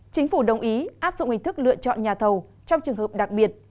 chính phủ đồng ý áp dụng hình thức lựa chọn nhà thầu trong trường hợp đặc biệt